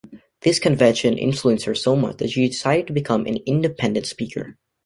This convention influenced her so much that she decided to become an independent speaker.